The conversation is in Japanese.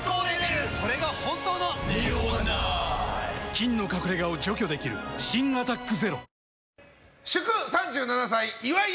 菌の隠れ家を除去できる新「アタックＺＥＲＯ」祝３７歳！岩井